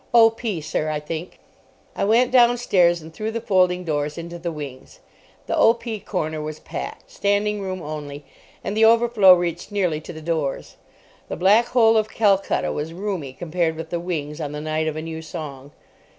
"O.P., sir, I think." I went downstairs and through the folding doors into the wings. The O.P. corner was packed—standing room only—and the overflow reached nearly to the doors. The Black Hole of Calcutta was roomy compared with the wings on the night of a new song.